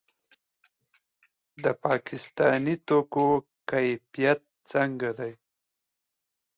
د پاکستاني توکو کیفیت څنګه دی؟